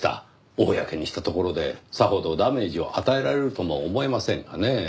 公にしたところでさほどダメージを与えられるとも思えませんがねぇ。